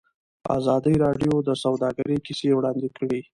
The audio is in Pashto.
ازادي راډیو د سوداګري کیسې وړاندې کړي.